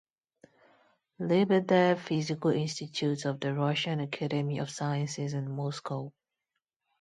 Lebedev Physical Institute of the Russian Academy of Sciences in Moscow.